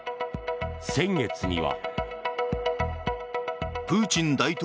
先月には。